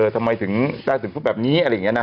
ทำไมถึงได้ถึงผู้แบบนี้